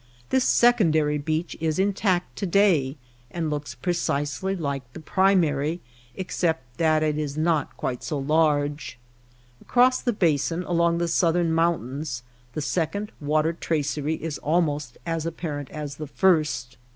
This secondary beach is intact to day and looks precisely like the primary except that it is not quite so large. Across the basin, along the southern mountains, the second water tracery is almost as apparent as the first.